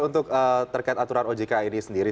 untuk terkait aturan ojk ini sendiri